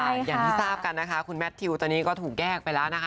อย่างที่ทราบกันนะคะคุณแมททิวตอนนี้ก็ถูกแยกไปแล้วนะคะ